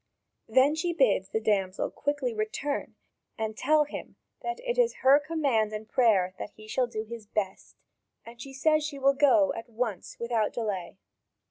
Then she bids the damsel quickly return and tell him that it is her command and prayer that he shall do his "best "; and she says she will go at once without delay.